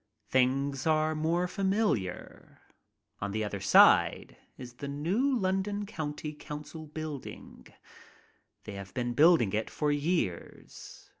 Things are more familiar. On the other side is the new London County Council Build ing. They have been building it for years.